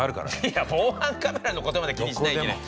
いや防犯カメラのことまで気にしなきゃいけない。